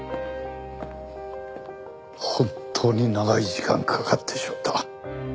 本当に長い時間かかってしまった。